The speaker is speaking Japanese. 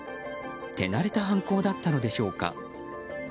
手慣れた犯行だったのでしょうか。